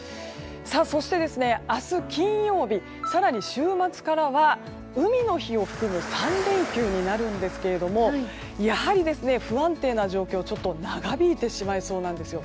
そして、明日金曜日更に週末からは海の日を含む３連休になるんですがやはり、不安定な状況が長引いてしまいそうなんです。